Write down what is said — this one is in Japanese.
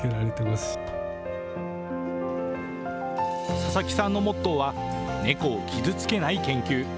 佐々木さんのモットーは、猫を傷つけない研究。